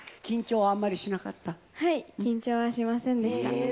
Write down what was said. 緊張はあんまりしなかった？